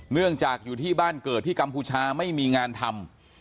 เนื่องจากอยู่ที่บ้านเกิดที่กัมพูชาไม่มีงานทำ